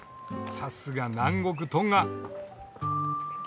さすが南国トンガ。